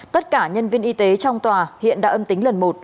tất cả nhân viên y tế trong tòa hiện đã âm tính lần một